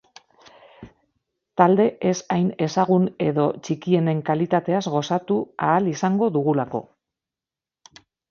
Talde ez hain ezagun edo txikienen kalitateaz gozatu ahal izango dugulako.